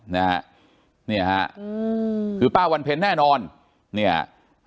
นะฮะเนี่ยฮะอืมคือป้าวันเพ็ญแน่นอนเนี่ย